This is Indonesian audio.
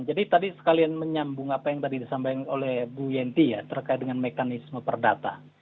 jadi tadi sekalian menyambung apa yang tadi disampaikan oleh ibu yenty ya terkait dengan mekanisme perdata